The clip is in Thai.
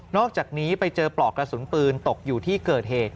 อกจากนี้ไปเจอปลอกกระสุนปืนตกอยู่ที่เกิดเหตุ